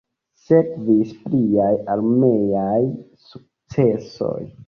Sekvis pliaj armeaj sukcesoj.